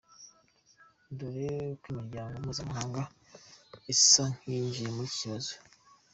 Dore ko n’imiryango mpuzamahanga isa nk’iyinjiye muri iki kibazo.